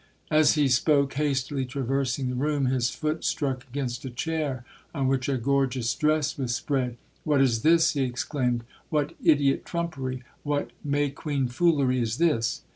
As he spoke, hastily traversing the room, his foot struck against a chair on which a gorgeous dress was spread. 'What is this?' he exclaimed—'What ideot trumpery, what May queen foolery is this?'